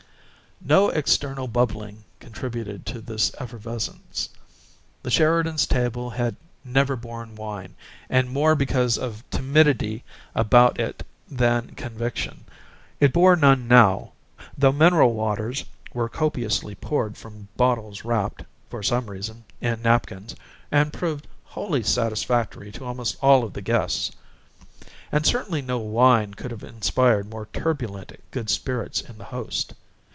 No external bubbling contributed to this effervescence; the Sheridans' table had never borne wine, and, more because of timidity about it than conviction, it bore none now; though "mineral waters" were copiously poured from bottles wrapped, for some reason, in napkins, and proved wholly satisfactory to almost all of the guests. And certainly no wine could have inspired more turbulent good spirits in the host.